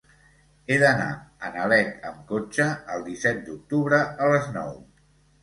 He d'anar a Nalec amb cotxe el disset d'octubre a les nou.